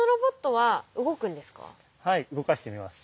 はい動かしてみます。